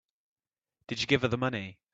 Did you give her the money?